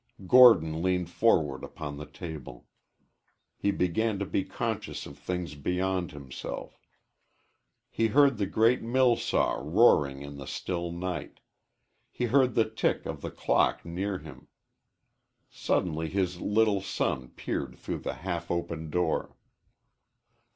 Gordon leaned forward upon the table. He began to be conscious of things beyond himself. He heard the great mill saw roaring in the still night; he heard the tick of the clock near him. Suddenly his little son peered through the halfopen door.